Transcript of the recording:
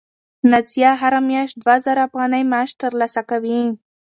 نازیه هره میاشت دوه زره افغانۍ معاش ترلاسه کوي.